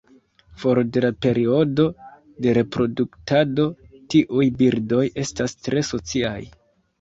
For de la periodo de reproduktado, tiuj birdoj estas tre sociaj.